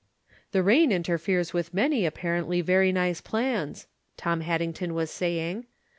" This rain interferes with many apparently very nice plans," Tom Haddington was saying.